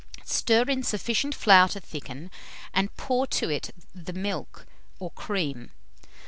Stir in sufficient flour to thicken, and pour to it the milk or cream.